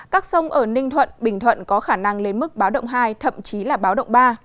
các sông ở ninh thuận bình thuận có khả năng lên mức báo động hai thậm chí là báo động ba